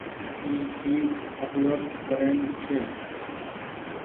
اي چيز اپلوڊ ڪرڻي ڇي۔